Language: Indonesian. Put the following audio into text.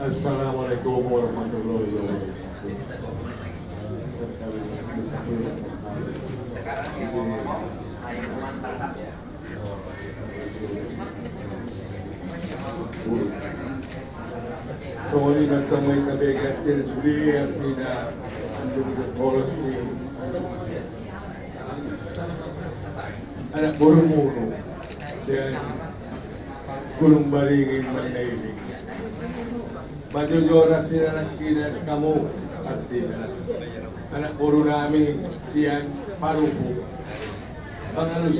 assalamualaikum warahmatullahi wabarakatuh